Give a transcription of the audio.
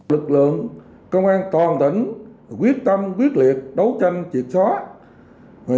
lực lượng công an toàn tỉnh quyết tâm quyết liệt đấu tranh triệt xóa